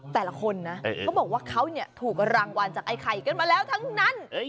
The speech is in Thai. แต่ละคนนะเขาบอกว่าเขาถูกรางวัลจากไอ้ไข่กันมาแล้วทั้งนั้น